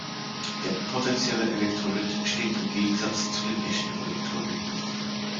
Der potentielle Elektrolyt steht im Gegensatz zu dem echten Elektrolyten.